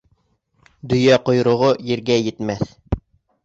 Дөйә ҡойроғо ергә етмәҫ.